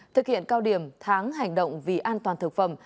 thực hiện cao điểm tháng hành động vì an toàn thực phẩm